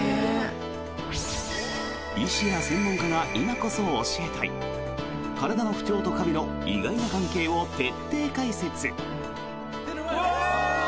医師や専門家が今こそ教えたい体の不調とカビの意外な関係を徹底解説！